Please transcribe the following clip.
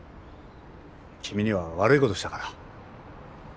君には悪いことしたから。